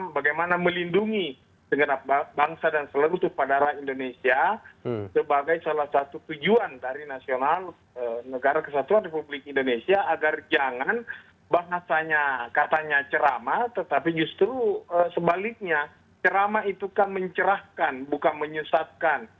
bagaimana melindungi segenap bangsa dan seluruh pada rakyat indonesia sebagai salah satu tujuan dari nasional negara kesatuan republik indonesia agar jangan bahasanya katanya ceramah tetapi justru sebaliknya ceramah itu kan mencerahkan bukan menyesatkan